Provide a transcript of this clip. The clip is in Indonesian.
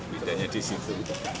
bedanya di situ